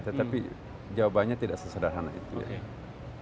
tetapi jawabannya tidak sesederhana itu ya